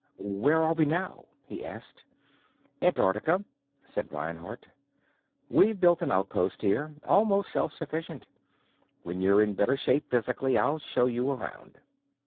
"Where are we now?" he asked. "Antarctica," said Reinhardt. "We've built an outpost here almost self sufficient. When you're in better shape physically, I'll show you around."